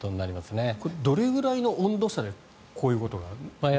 これはどれくらいの温度差でこういうことが起きるんですか？